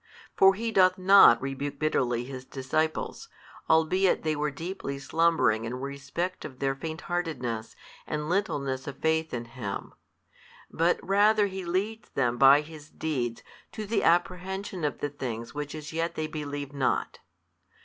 For He doth not rebuke bitterly His disciples, albeit they were deeply slumbering in respect of their faintheartedness and littleness of faith in Him: but rather He leads them by His |326 Deeds to the apprehension of the things which as yet they believe not.